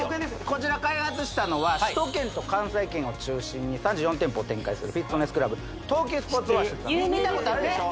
こちら開発したのは首都圏と関西圏を中心に３４店舗を展開するフィットネスクラブ東急スポーツオアシスさん見たことあるでしょ？